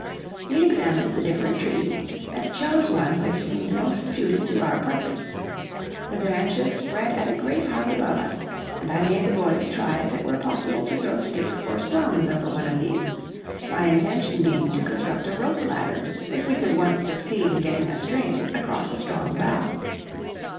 We examined the different trees, and chose one which seemed most suited to our purpose. The branches spread at a great height above us, and I made the boys try if it were possible to throw sticks or stones over one of these, my intention being to construct a rope ladder if we could once succeed in getting a string across a strong bough.